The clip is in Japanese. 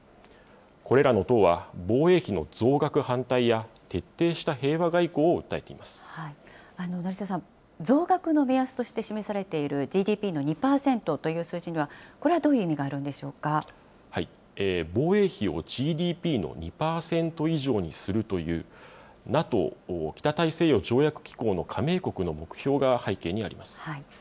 これらの党は、防衛費の増額反対や徹底した平和外交を訴えていま成澤さん、増額の目安として示されているＧＤＰの２％という数字には、これはどういう意味が防衛費をＧＤＰの２％以上にするという、ＮＡＴＯ・北大西洋条約機構の加盟国の目標が背景にあります。